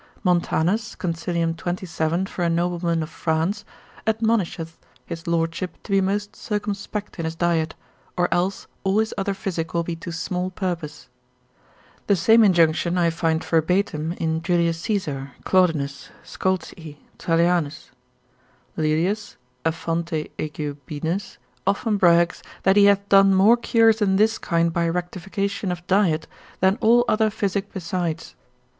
Montanus, consil. 27. for a nobleman of France, admonisheth his lordship to be most circumspect in his diet, or else all his other physic will be to small purpose. The same injunction I find verbatim in J. Caesar Claudinus, Respon. 34. Scoltzii, consil. 183. Trallianus, cap. 16. lib. 1. Laelius a Fonte Aeugubinus often brags, that he hath done more cures in this kind by rectification of diet, than all other physic besides.